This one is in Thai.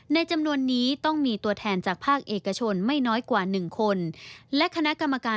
ในจำนวนนี้ต้องมีตัวแทนจากภาคเอกชนไม่น้อยกว่า๑คน